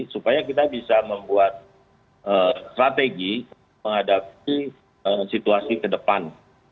supaya kita bisa membuat strategi menghadapi situasi ke depan